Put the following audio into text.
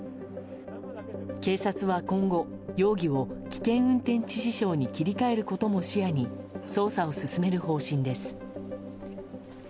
警察は今後容疑を危険運転致死傷に切り替えることも視野に捜査を進める方針です。